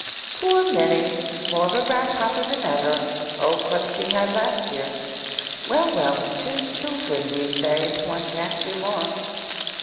"Poor Minnie, more of a grasshopper than ever—old cloak she had last year. Well, well, with too children these days one can't do more.